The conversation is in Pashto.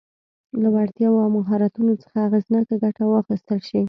له وړتیاوو او مهارتونو څخه اغېزناکه ګټه واخیستل شي.